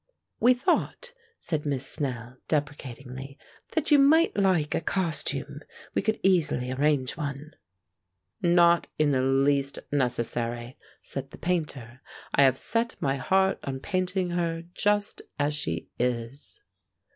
"We thought," said Miss Snell, deprecatingly, "that you might like a costume. We could easily arrange one." "Not in the least necessary," said the Painter. "I have set my heart on painting her just as she is."